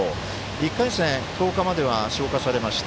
１回戦１０日までは消化されました。